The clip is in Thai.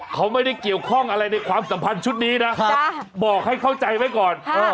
เขาไม่ได้เกี่ยวข้องอะไรในความสัมพันธ์ชุดนี้นะบอกให้เข้าใจไว้ก่อน